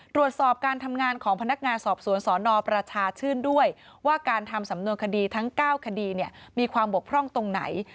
ตรวจสอบการทำงานของพนักงานสอบสวนสนประชาชื่นด้วยว่าการทำสำนวนคดีทั้ง๙คดีมีความบกพร่องตรงไหน